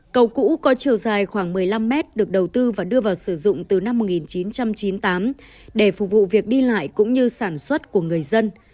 cầu cũ có chiều dài khoảng một mươi năm mét được đầu tư và đưa vào sử dụng từ năm một nghìn chín trăm chín mươi tám để phục vụ việc đi lại cũng như sản xuất của người dân